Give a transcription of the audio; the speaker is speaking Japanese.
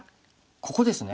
ここですね。